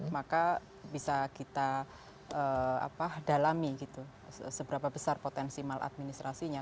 maka bisa kita dalami seberapa besar potensi maladministrasinya